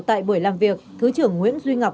tại buổi làm việc thứ trưởng nguyễn duy ngọc